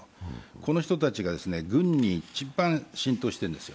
この人たちが軍に一番浸透しているんですよ。